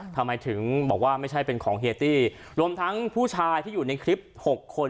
ทำไมถึงบอกว่าไม่ใช่เป็นของเฮียตี้รวมทั้งผู้ชายที่อยู่ในคลิป๖คน